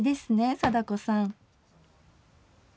貞子さん？